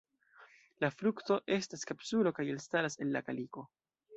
La frukto estas kapsulo kaj elstaras el la kaliko.